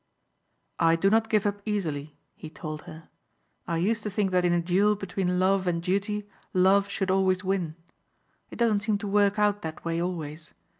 "I do not give up easily," he told her. "I used to think that in a duel between love and duty love should always win. It doesn't seem to work out that way always.